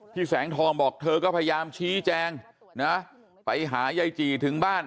แสงทองบอกเธอก็พยายามชี้แจงนะไปหายายจีถึงบ้าน